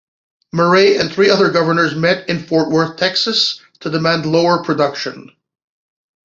Murray and three other governors met in Fort Worth, Texas to demand lower production.